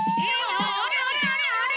あっあれあれあれ？